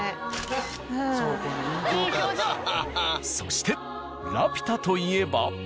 そして「ラピュタ」といえば。